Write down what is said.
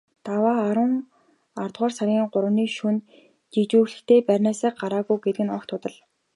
Даваа аравдугаар сарын гуравны шөнө жижүүрлэхдээ байрнаасаа гараагүй гэдэг огт худал.